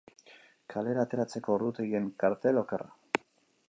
Kalera ateratzeko ordutegien kartel okerra.